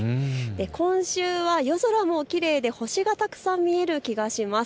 今週は夜空もきれいで星がたくさん見える気がします。